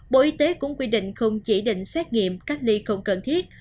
bộ y tế cũng quy định không chỉ định xét nghiệm cách ly không cần thiết